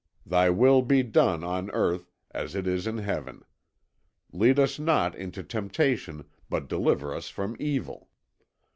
Thy will be done on Earth, as it is in Heaven. Lead us not into temptation, but deliver us from evil."